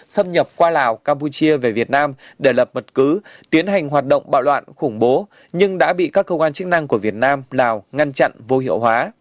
xâm nhập qua lào campuchia về việt nam để lập bất cứ tiến hành hoạt động bạo loạn khủng bố nhưng đã bị các cơ quan chức năng của việt nam lào ngăn chặn vô hiệu hóa